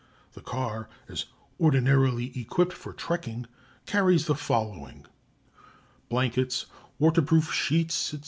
The car, as ordinarily equipped for trekking, carries the following: Blankets, waterproof sheets, &c.